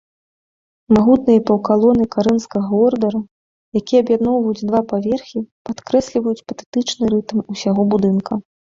Магутныя паўкалоны карынфскага ордара, якія аб'ядноўваюць два паверхі, падкрэсліваюць патэтычны рытм усяго будынка.